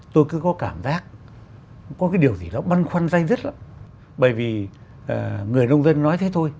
tôi cứ có cảm giác có cái điều gì đó băn khoăn danh dứt lắm bởi vì người nông dân nói thế thôi